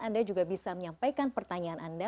anda juga bisa menyampaikan pertanyaan anda